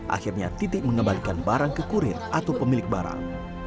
akhirnya titik mengembalikan barang ke kurir atau pemilik barang